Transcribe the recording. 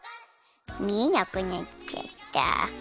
みえなくなっちゃった。